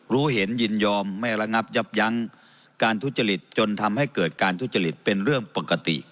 รู้เห็นยินยอมไม่ระงับยับยั้งการทุจริตจนทำให้เกิดการทุจริตเป็นเรื่องปกติ